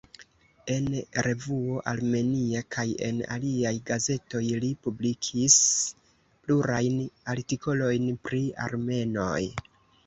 En revuo "Armenia" kaj en aliaj gazetoj li publikis plurajn artikolojn pri armenoj.